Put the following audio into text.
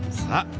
さあ